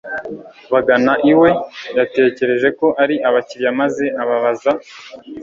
bagana iwe yatekereje ko ari abakiriya maze ababaza